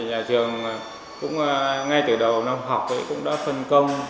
nhà trường cũng ngay từ đầu năm học cũng đã phân công